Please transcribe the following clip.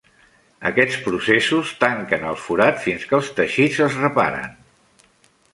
Aquests processos tanquen el forat fins que els teixits es reparen.